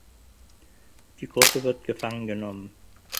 Die Gruppe wird gefangen genommen.